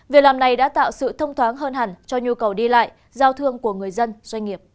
việc làm này đã tạo sự thông thoáng hơn hẳn cho nhu cầu đi lại giao thương của người dân doanh nghiệp